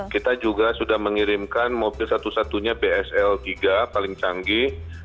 kita juga sudah mengirimkan mobil satu satunya bsl tiga paling canggih